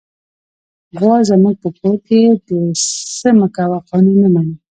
غوا زموږ په کور کې د "څه مه کوه" قانون نه مني.